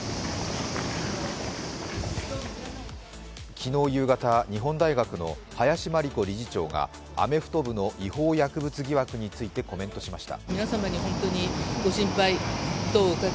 昨日夕方、日本大学の林真理子理事長がアメフト部の違法薬物疑惑についてコメントしました。